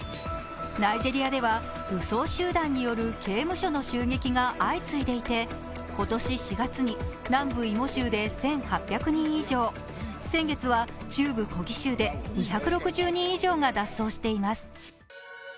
ナイジェリアでは武装集団による刑務所の襲撃が相次いでいて今年４月に南部イモ州で１８００人以上、先月は中部コギ州で２６０人以上が脱走しています。